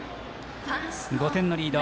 ５点のリード